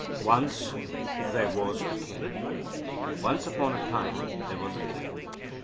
ONCE THERE WAS A KING "Once upon a time there was a king."